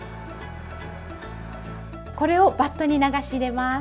これをバットに流し入れます。